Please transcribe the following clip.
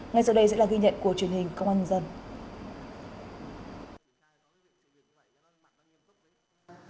ngay sau đây sẽ là ghi nhận của truyền hình công an nhân dân